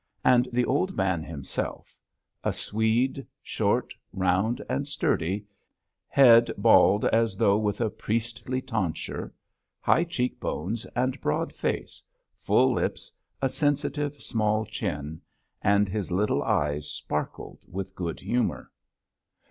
And the old man himself: a Swede, short, round and sturdy, head bald as though with a priestly tonsure, high cheek bones and broad face, full lips, a sensitive small chin, and his little eyes sparkled with good humor.